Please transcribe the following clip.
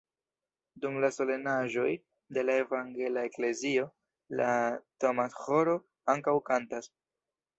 Dum la solenaĵoj de la evangela eklezio la Thomas-ĥoro ankaŭ kantas.